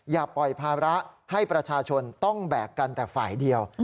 อย่าปล่อยภาระให้ประชาชนต้องแบกกันแต่ฝ่ายเดียว